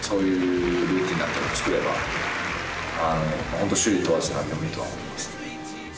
ホント種類問わず何でもいいとは思います。